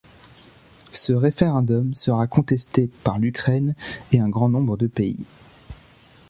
Ce référendum sera contesté par l'Ukraine et un grand nombre de pays.